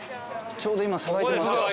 ちょうど今さばいてますよ。